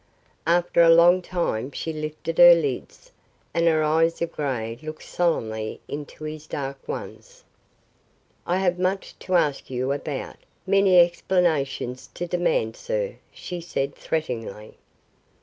After a long time she lifted her lids and her eyes of gray looked solemnly into his dark ones. "I have much to ask you about, many explanations to demand, sir," she said threateningly.